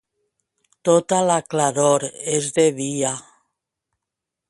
Tota la claror és de dia.